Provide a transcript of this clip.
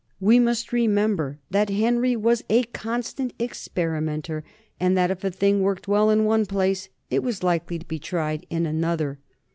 We must remember that Henry was a constant experimenter, and that if a thing worked well in one place it was likely to be tried in an ioo NORMANS IN EUROPEAN HISTORY other.